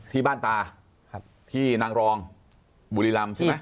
ที่นางรองบุรีรำใช่มั้ย